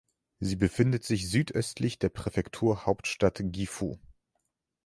Sie befindet sich südöstlich der Präfekturhauptstadt Gifu.